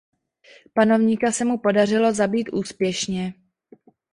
Panovníka se mu podařilo zabít úspěšně.